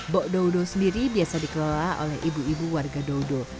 bok dodo sendiri biasa dikelola oleh ibu ibu warga dodo